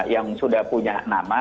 yang sudah punya nama